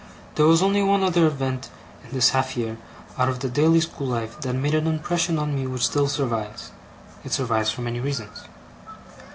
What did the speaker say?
There was only one other event in this half year, out of the daily school life, that made an impression upon me which still survives. It survives for many reasons.